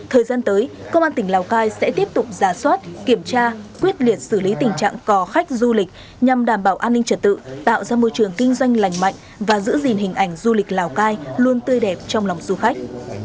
thời gian tới công an tỉnh lào cai sẽ tiếp tục giả soát kiểm tra quyết liệt xử lý tình trạng cò khách du lịch nhằm đảm bảo an ninh trật tự tạo ra môi trường kinh doanh lành mạnh và giữ gìn hình ảnh du lịch lào cai luôn tươi đẹp trong lòng du khách